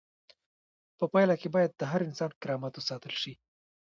په پایله کې باید د هر انسان کرامت وساتل شي.